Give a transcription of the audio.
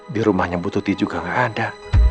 di rumahnya butuh ti juga gak ada